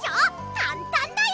かんたんだよ。